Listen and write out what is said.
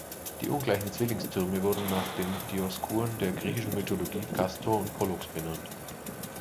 Die ungleichen Zwillingstürme wurden nach den Dioskuren der griechischen Mythologie, Kastor und Pollux, benannt.